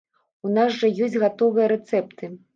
У нас жа ёсць гатовыя рэцэпты.